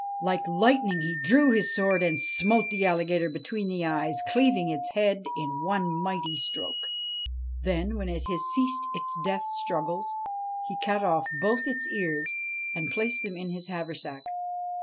Like lightning he drew his sword and smote the alligator between the eyes, cleaving its head in one mighty stroke. Then, when it had ceased its death struggles, he cut off both its ears and placed them in his haversack.